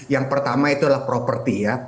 yang pertama itu adalah properti ya